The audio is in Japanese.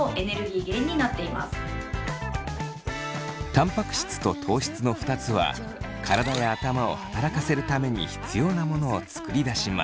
たんぱく質と糖質の２つは体や頭を働かせるために必要なものを作り出します。